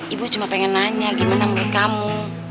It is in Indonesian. ibu cuma pengen nanya gimana menurut kamu